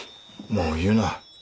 もう言うな。